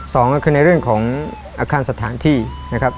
สองก็คือในเรื่องของอาคารสถานที่นะครับ